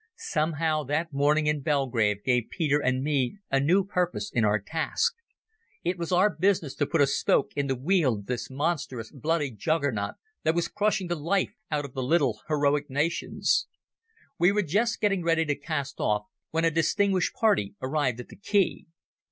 Somehow that morning in Belgrade gave both Peter and me a new purpose in our task. It was our business to put a spoke in the wheel of this monstrous bloody Juggernaut that was crushing the life out of the little heroic nations. We were just getting ready to cast off when a distinguished party arrived at the quay.